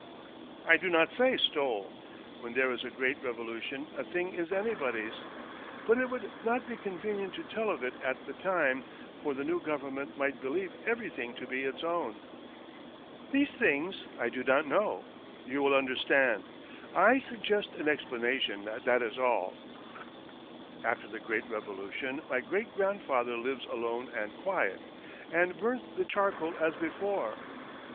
" I do not say stole ; when there is a great revolution a thing is anybody's. But it would not be convenient to tell of it at the time, for the new Government might believe everything to be its own. These things I do not know, you will understand — I suggest an explanation, that is all. After the great Revolution, my great grandfather lives alone and quiet, and burns the charcoal as before.